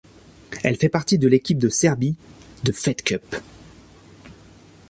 Elle fait partie de l'équipe de Serbie de Fed Cup.